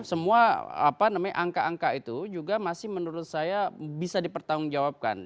semua angka angka itu juga masih menurut saya bisa dipertanggungjawabkan